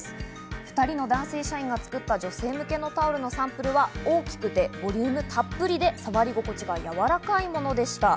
２人の男性社員が作った女性向けのタオルのサンプルは大きくてボリュームたっぷりで触り心地がやわらかいものでした。